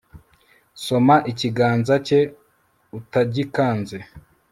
Soma ikiganza cye utagikanze